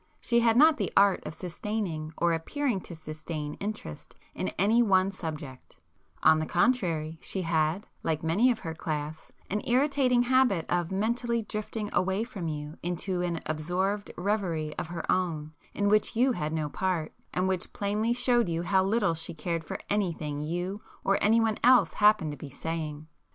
She had not the art of sustaining or appearing to sustain interest in any one subject; on the contrary, she had, like many of her class, an irritating habit of mentally drifting away from you into an absorbed reverie of her own in which you had no part, and which plainly showed you how little she cared for anything you or anyone else happened to be saying.